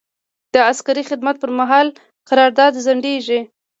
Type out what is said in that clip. د عسکري خدمت پر مهال قرارداد ځنډیږي.